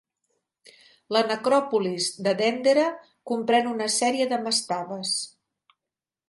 La necròpolis de Dendera comprèn una sèrie de mastabes.